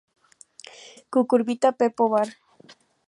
Cucurbita pepo var.